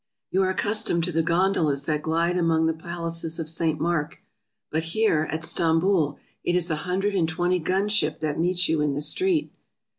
You are accustomed to the gondolas that glide among the palaces of St. Mark, but here, at Stamboul, it is a hundred and twenty gun ship that meets you in the street.